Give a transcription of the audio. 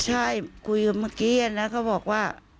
ใช่คุยกับเมื่อกี้แล้วเขาบอกว่า